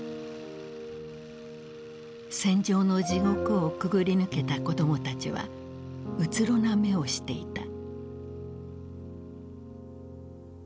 戦場の地獄をくぐり抜けた子供たちはうつろな目をしていた。